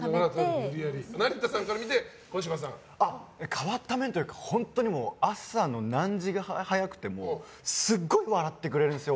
変わった面というか本当に朝の何時ぐらい早くてもすっごく笑ってくれるんですよ。